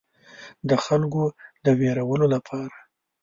د خلکو د ویرولو لپاره.